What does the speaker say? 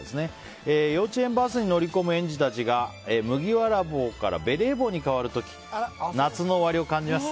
幼稚園バスに乗り込む園児たちが麦わら帽からベレー帽にかわる時夏の終わりを感じます。